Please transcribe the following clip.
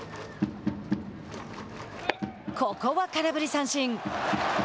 ここは空振り三振。